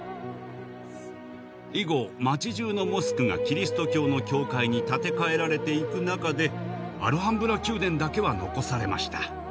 以後街じゅうのモスクがキリスト教の教会に建て替えられていく中でアルハンブラ宮殿だけは残されました。